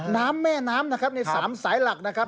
แม่น้ำนะครับใน๓สายหลักนะครับ